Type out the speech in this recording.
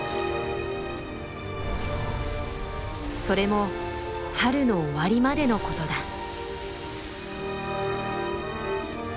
それも春の終わりまでのことだ。